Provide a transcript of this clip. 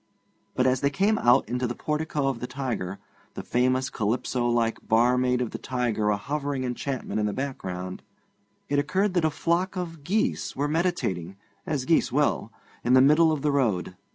But as they came out into the portico of the Tiger, the famous Calypso like barmaid of the Tiger a hovering enchantment in the background, it occurred that a flock of geese were meditating, as geese will, in the middle of the road.